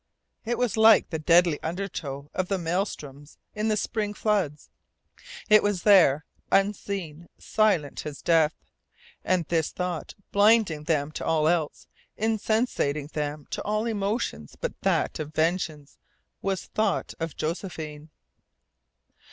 It was like the deadly undertow of the maelstroms in the spring floods. It was there, unseen silent as death. And this thought, blinding them to all else, insensating them to all emotions but that of vengeance, was thought of Josephine.